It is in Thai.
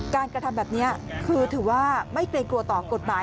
กระทำแบบนี้คือถือว่าไม่เกรงกลัวต่อกฎหมาย